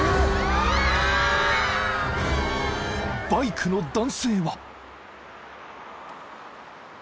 ［バイクの男性は］